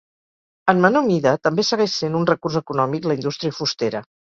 En menor mida també segueix sent un recurs econòmic la indústria fustera.